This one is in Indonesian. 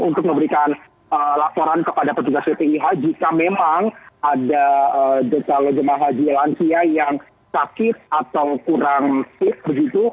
untuk memberikan laporan kepada petugas ppih jika memang ada calon jemaah haji lansia yang sakit atau kurang fit begitu